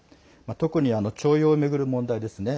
特に徴用を巡る問題ですね。